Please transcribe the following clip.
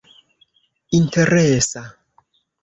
interesa